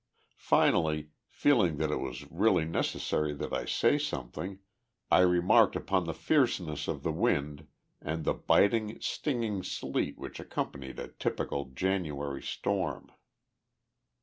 Finally, feeling that it was really necessary that I say something, I remarked upon the fierceness of the wind and the biting, stinging sleet which accompanied a typical January storm.